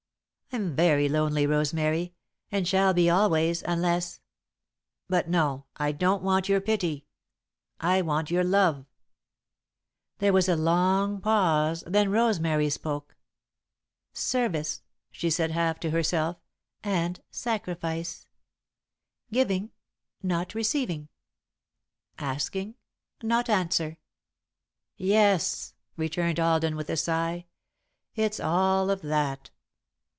I'm very lonely, Rosemary, and shall be always, unless but, no, I don't want your pity; I want your love." [Sidenote: A Philanthropic Scheme] There was a long pause, then Rosemary spoke. "Service," she said, half to herself, "and sacrifice. Giving, not receiving. Asking, not answer." "Yes," returned Alden, with a sigh, "it's all of that.